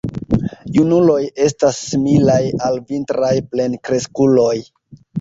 Junuloj estas similaj al vintraj plenkreskuloj.